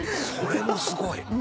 それもすごい。